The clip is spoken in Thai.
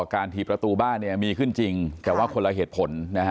ถี่ประตูบ้านมีขึ้นจริงแต่ว่าคนละเหตุผล